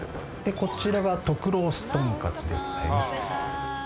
こちらは特ロース豚かつでございます。